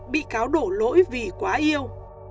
bị cáo đổ lỗi vì quá yêu